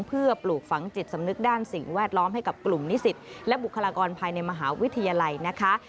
เพื่อปลูกฝังจิตสำนึกด้านสิ่งแวดล้อมให้กับกลุ่มนิสิตและบุคลากรภายในมหาวิทยาลัยนะคะ